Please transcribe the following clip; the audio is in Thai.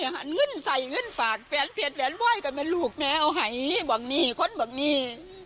หันเงินใส่เงินฝากแผนแผนไว้กันมาลูกแมวให้หวังหนีค้นหวังหนี